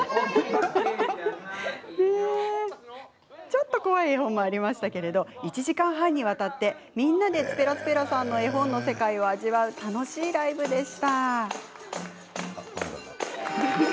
ちょっと怖い絵本もありましたけど１時間半にわたって、みんなでｔｕｐｅｒａｔｕｐｅｒａさんの絵本の世界を味わう楽しいライブでした。